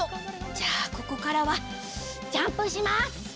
じゃあここからはジャンプします！